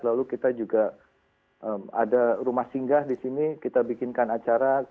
lalu kita juga ada rumah singgah di sini kita bikinkan acara